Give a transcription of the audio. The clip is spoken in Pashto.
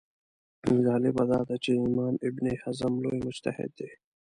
جالبه دا ده چې امام ابن حزم لوی مجتهد دی